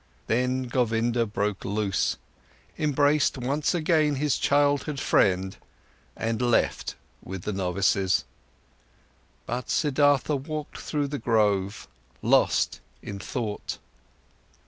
Then Govinda broke loose, embraced once again his childhood friend and left with the novices. But Siddhartha walked through the grove, lost in thought.